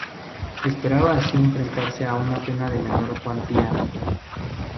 Esperaba así enfrentarse a una pena de menor cuantía.